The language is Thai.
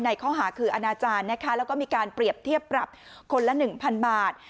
ข้อหาคืออนาจารย์นะคะแล้วก็มีการเปรียบเทียบปรับคนละ๑๐๐บาท